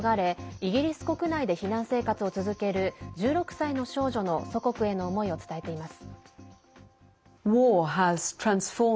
イギリス国内で避難生活を続ける１６歳の少女の祖国への思いを伝えています。